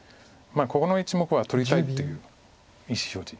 ここの１目は取りたいっていう意思表示。